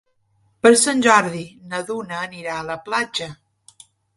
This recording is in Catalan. Per Sant Jordi na Duna anirà a la platja.